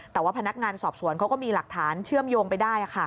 แต่ว่าพนักงานสอบสวนเขาก็มีหลักฐานเชื่อมโยงไปได้